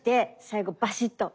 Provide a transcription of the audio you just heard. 最後バシッと。